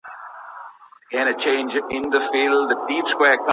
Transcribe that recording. ښه بریا یوازي با استعداده کسانو ته نه سي ښودل کېدلای.